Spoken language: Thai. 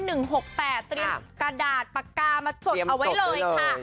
เตรียมกระดาษปากกามาจดเอาไว้เลยค่ะ